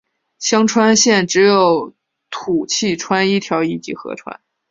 香川县只有土器川一条一级河川。